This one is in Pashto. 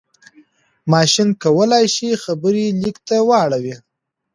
ماشين کولای شي خبرې ليک ته واړوي.